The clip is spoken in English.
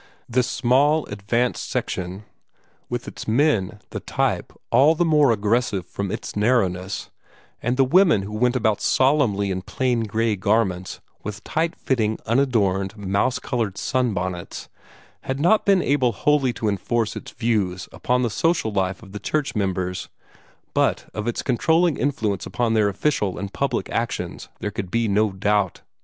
This small advanced section, with its men of a type all the more aggressive from its narrowness, and women who went about solemnly in plain gray garments, with tight fitting, unadorned, mouse colored sunbonnets, had not been able wholly to enforce its views upon the social life of the church members, but of its controlling influence upon their official and public actions there could be no doubt.